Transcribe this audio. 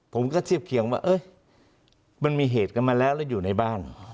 ผมก็เทียบเคียงว่ามันมีเหตุกันมาแล้วแล้วอยู่ในบ้าน